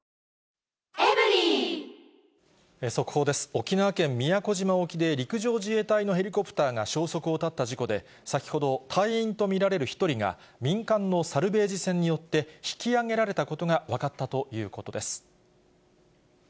沖縄県宮古島沖で、陸上自衛隊のヘリコプターが消息を絶った事故で、先ほど、隊員と見られる１人が民間のサルベージ船によって、引き上げられたことが分かったということです。